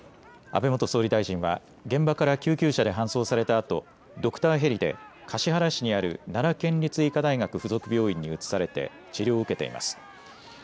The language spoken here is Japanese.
安倍元総理大臣は現場から救急車で搬送されたあとドクターヘリで橿原市にある奈良県立医科大学付属病院に移されて治療を受けています。